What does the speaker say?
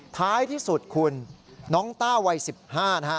ท้ายที่สุดคุณน้องต้าวัย๑๕นะฮะ